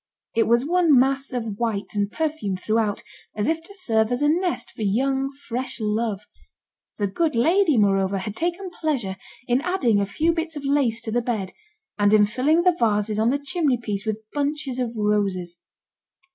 It was one mass of white, and perfumed throughout, as if to serve as a nest for young, fresh love. The good lady, moreover, had taken pleasure in adding a few bits of lace to the bed, and in filling the vases on the chimney piece with bunches of roses.